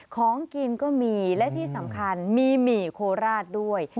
ของกินก็มีและที่สำคัญมีหมี่โคราชด้วย